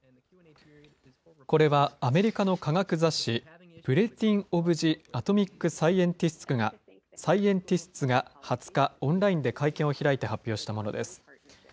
これはアメリカの科学雑誌、ブレティン・オブ・ジ・アトミック・サイエンティスツが２０日、オンラインで会見を開いて発表したものです。